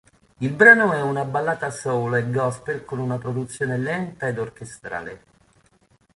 Il brano è una ballata soul e gospel con una produzione lenta ed orchestrale.